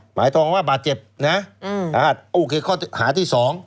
หมายความว่าบาดเจ็บนะโอเคข้อหาที่๒